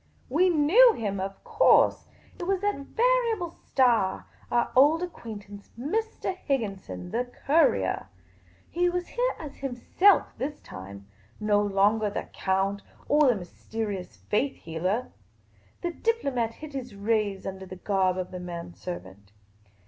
We knew him, of course ; it was that variable star, our old acquaintance, Mr. Higginson, the courier. He was here as himself this time ; no longer the count or the mysterious faith healer. The diplomat hid his rays under the garb of the man servant.